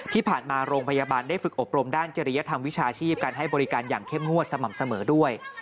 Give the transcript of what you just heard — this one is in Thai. ที่ผ่านมาโรงพยาบาลได้ฝึกอบรมด้านจริยธรรมวิชาชีพการให้บริการอย่างเข้มงวดสม่ำเสมอด้วย